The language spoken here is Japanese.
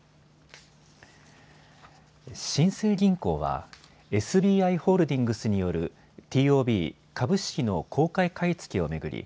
新生銀行はＳＢＩホールディングスによるＴＯＢ・株式の公開買い付けを巡り